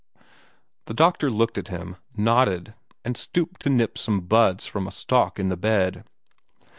The doctor looked at him, nodded, and stooped to nip some buds from a stalk in the bed.